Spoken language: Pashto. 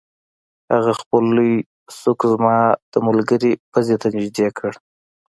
هغه خپل لوی سوک زما د ملګري پوزې ته نږدې کړ